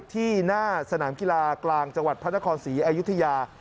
ที่หน้าสนามกีฬากลางจังหวัดพระนครศรีอยุธยา